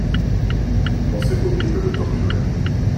Une pensée horrible le torturait.